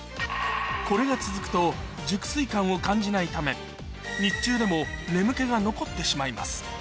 これが続くと熟睡感を感じないため日中でも眠気が残ってしまいます